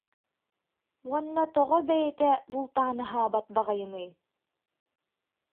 Уонна тоҕо бэйэтэ бултаан аһаабат баҕайыный